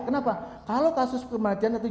kenapa kalau kasus kematian atau